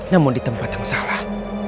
namun di tempat yang salah